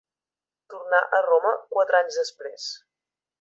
Tornà a Roma quatre anys després.